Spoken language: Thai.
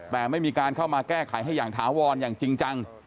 แต่ไม่มีการเข้ามาแก้ไขให้อย่างถาวรอย่างจริงจัง